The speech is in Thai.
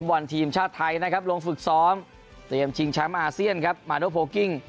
วันทีมชาติไทยลงฝึกซ้อมเตรียมชิงช้ำอาเซียนมาโน้ทโพลกิ้ง